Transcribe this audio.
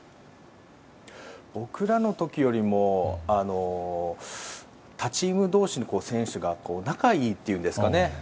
僕らの時よりも他チーム同士の選手が仲がいいといいますか。